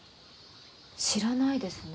知らないですね。